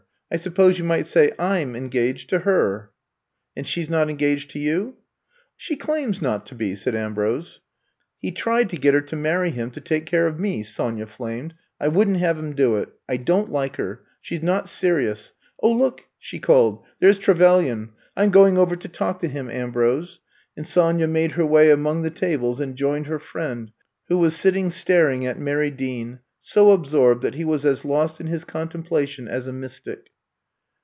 I suppose you might say / 'm en gaged to her." *'And she 's not engaged to you?" She claims not to be," said Ambrose. *^ He tried to get her to marry him to take care of me," Sonya flamed. I would n^t have him do it. I don 't like her ; she *a not serious. Oh, look," she called, there *s Trevelyan. I 'm going over to 90 I'VE COME TO STAY talk to him, Ambrose." And Sony a made her way among the tables and joined her friend, who was sitting staring at Mary Dean, so absorbed that he was as lost in his contemplation as a mystic.